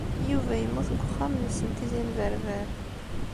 Yuba yemmut deg uxxam-nnes n Tizi n Berber.